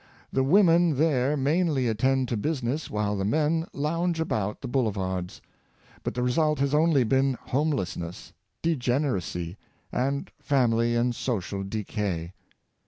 The women there mainly attend to business while the men lounge about the boulevards. But the result has only been homelessness, degeneracy and fam ily and social decay.